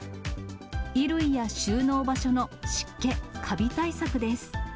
衣類や収納場所の湿気・カビ対策です。